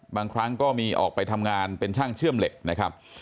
บางครั้งก็มีออกไปทำงานเป็นช่างเชื่อมเหล็กนะครับ